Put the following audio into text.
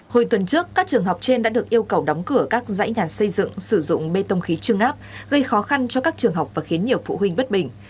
hồi tuần trước các trường học trên đã được yêu cầu đóng cửa các dãy nhà xây dựng sử dụng bê tông khí trưng áp gây khó khăn cho các trường học và khiến nhiều phụ huynh bất bình